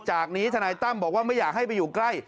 จากนี้ทนายตั้มบอกว่าไม่อยากให้ไปอยู่ใกล้